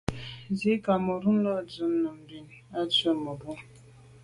Ndzî Cameroun là'də̌ nù bìn à' tswə́ mə̀bró.